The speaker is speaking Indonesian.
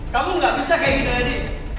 kamu gak bisa kayak gitu nedi